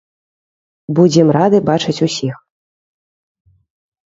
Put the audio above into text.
Будзем рады бачыць усіх.